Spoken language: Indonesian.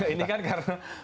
ini kan karena